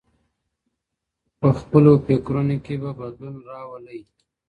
په خپلو فکرونو کي به بدلون راولئ.